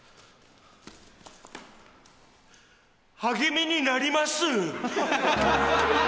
励みになります！